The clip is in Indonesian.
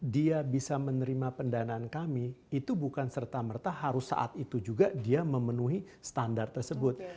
dia bisa menerima pendanaan kami itu bukan serta merta harus saat itu juga dia memenuhi standar tersebut